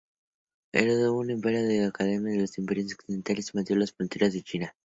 Heredó un imperio en decadencia con los imperios occidentales invadiendo las fronteras de China.